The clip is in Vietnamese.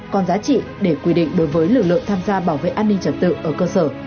còn giá trị để quy định đối với lực lượng tham gia bảo vệ an ninh trật tự ở cơ sở